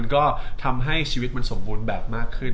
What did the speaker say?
ก็ทำให้ชีวิตมันสมบูรณ์แบบมากขึ้น